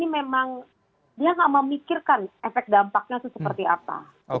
memang dia nggak memikirkan efek dampaknya itu seperti apa